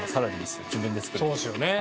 そうですよね。